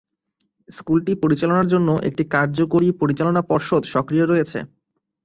স্কুলটি পরিচালনার জন্য একটি কার্যকরী পরিচালনা পর্ষদ সক্রিয় রয়েছে।